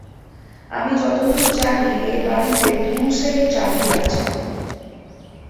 আমি যতদূর জানি এ-বাড়িতে দু সেট চাবি আছে।